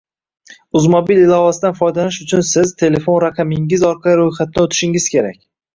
uz mobil ilovasidan foydalanish uchun siz telefon raqamingiz orqali ro‘yxatdan o‘tishingiz kerak